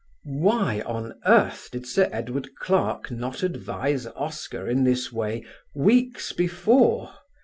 Why on earth did Sir Edward Clarke not advise Oscar in this way weeks before?